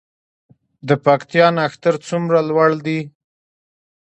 د پکتیا نښتر څومره لوړ دي؟